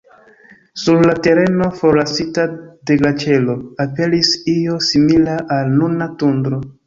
Sur la tereno forlasita de glaĉero aperis io simila al nuna tundro.